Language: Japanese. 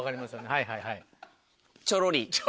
はいはいはい。